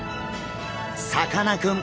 さかなクン